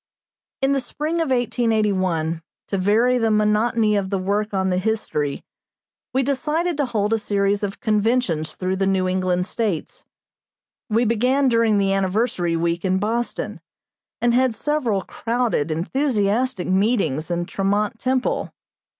In the spring of 1881, to vary the monotony of the work on the history, we decided to hold a series of conventions through the New England States. We began during the Anniversary week in Boston, and had several crowded, enthusiastic meetings in Tremont Temple.